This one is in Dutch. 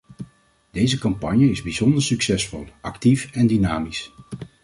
Deze campagne is bijzonder succesvol, actief en dynamisch.